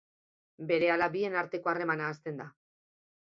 Berehala bien arteko harremana hasten da.